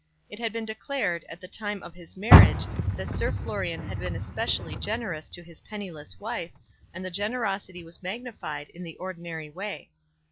It had been declared, at the time of his marriage, that Sir Florian had been especially generous to his penniless wife, and the generosity was magnified in the ordinary way.